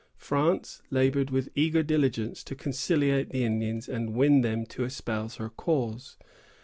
France labored with eager diligence to conciliate the Indians and win them to espouse her cause.